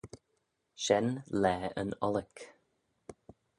Shen laa yn ollick.